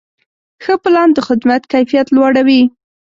ښه پلان د خدمت کیفیت لوړوي.